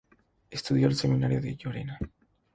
Estudió en el Seminario de Gerona.